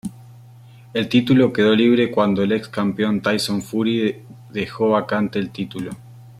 El título quedó libre cuando el ex campeón Tyson Fury dejó vacante el título.